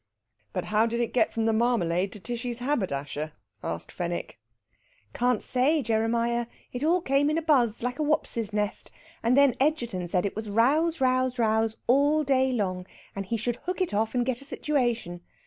"But how did it get from the marmalade to Tishy's haberdasher?" asked Fenwick. "Can't say, Jeremiah. It all came in a buzz, like a wopses nest. And then Egerton said it was rows, rows, rows all day long, and he should hook it off and get a situation.